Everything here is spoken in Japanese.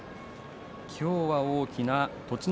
今日は大きな栃ノ